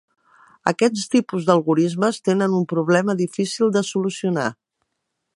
Aquest tipus d'algorismes tenen un problema difícil de solucionar.